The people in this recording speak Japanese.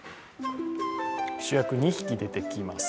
主役２匹出てきます。